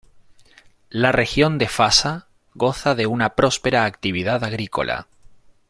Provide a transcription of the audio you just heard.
La región de Fasa goza de una próspera actividad agrícola.